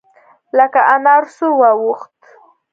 لکه انار سور واوښت.